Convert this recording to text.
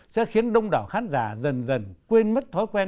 sẽ khiến đông đảo khán giả dần dần quên mất thói quen